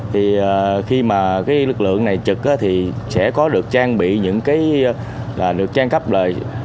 thì khi mà cái lực lượng này trực thì sẽ có được trang bị những cái là được trang cấp đời